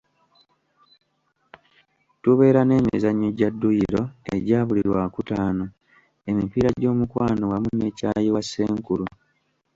Tubeera n'emizannyo gya dduyiro egya buli lwakutaano, emipiira gy’omukwano wamu ne ccaayi wa Ssenkulu.